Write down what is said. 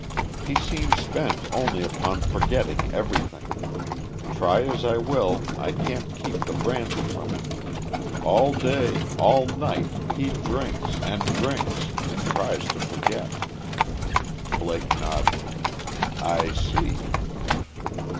He seems bent only upon forgetting everything. Try as I will I can't keep the brandy from him. All day all night he drinks, and drinks, and tries to forget." Blake nodded. "I see."